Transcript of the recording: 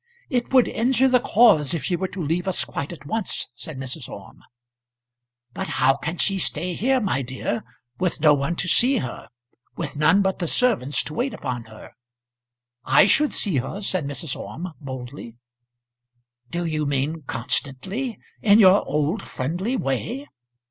"It would injure the cause if she were to leave us quite at once," said Mrs. Orme. "But how can she stay here, my dear, with no one to see her; with none but the servants to wait upon her?" "I should see her," said Mrs. Orme, boldly. "Do you mean constantly in your old, friendly way?"